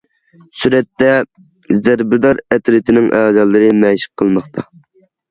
سۈرەتتە: زەربىدار ئەترىتىنىڭ ئەزالىرى مەشىق قىلماقتا.